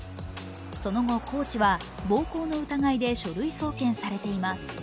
その後、コーチは暴行の疑いで書類送検されています。